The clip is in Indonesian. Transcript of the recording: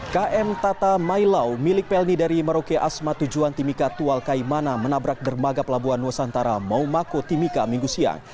km tata mailau milik pelni dari merauke asma tujuan timika tual kaimana menabrak dermaga pelabuhan nusantara maumako timika minggu siang